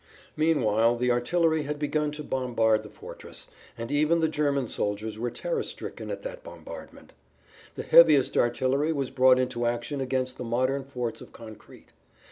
Meanwhile the artillery had begun to bombard the fortress, and even the German soldiers were terror stricken at that bombardment. The heaviest artillery was brought into action against the modern forts of concrete.